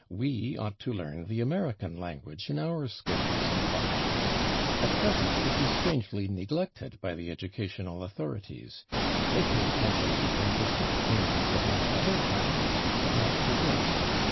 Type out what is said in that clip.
We ought to learn the American language in our schools and colleges. At present it is strangely neglected by the educational authorities. They pay attention to linguistic attainments of many other kinds, but not to this.